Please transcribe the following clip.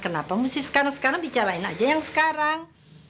kenapa mesti sekarang sekarang bicarain aja yang sekarang